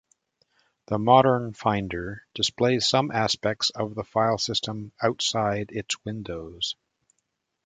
The modern Finder displays some aspects of the file system outside its windows.